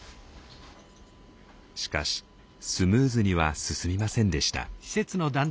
しかしスムーズには進みませんでした。